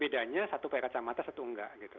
bedanya satu kayak kacamata satu enggak gitu